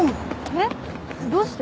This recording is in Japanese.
えっどうして？